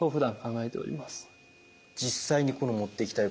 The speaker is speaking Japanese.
実際にこの持っていきたい